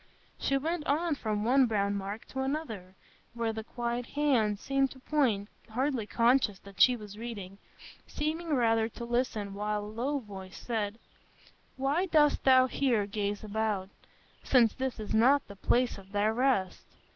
She went on from one brown mark to another, where the quiet hand seemed to point, hardly conscious that she was reading, seeming rather to listen while a low voice said; "Why dost thou here gaze about, since this is not the place of thy rest?